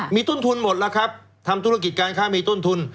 มีต้นทุนหมดแล้วครับทำธุรกิจการค้ามีต้นทุน